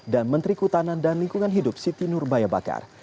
dan menteri kutanan dan lingkungan hidup siti nur bayabakar